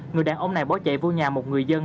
người đàn ông này bỏ chạy vô nhà một người dân